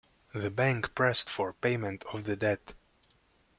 The bank pressed for payment of the debt.